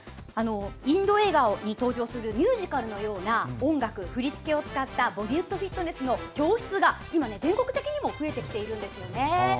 インド映画に登場するミュージカルの音楽振り付けを使ったボリウッドフィットネスの教室が全国的にも増えてきているんですよね。